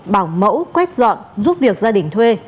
bảo mẫu quét dọn giúp việc gia đình thuê